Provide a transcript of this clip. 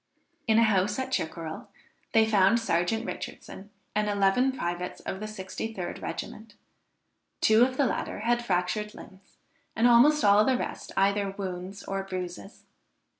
In a house at Chickerell, they found Serjeant Richardson and eleven privates of the 63d regiment; two of the latter had fractured limbs, and almost all the rest either wounds or bruises.